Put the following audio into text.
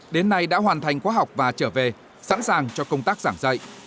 đến nay đã hoàn thành khóa học và trở về sẵn sàng cho công tác giảng dạy